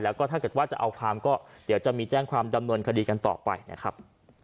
แล้วก็ถ้าเกิดว่าจะเอาความก็เดี๋ยวจะมีแจ้งความดำเนินคดีกันต่อไปนะครับ